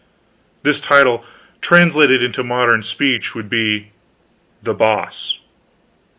This title, translated into modern speech, would be THE BOSS.